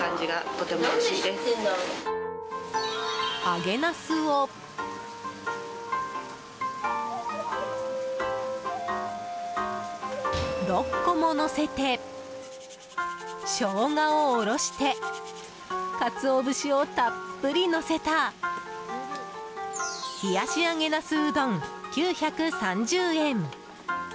揚げナスを６個ものせてショウガをおろしてカツオ節をたっぷりのせた冷し揚げなすうどん、９３０円。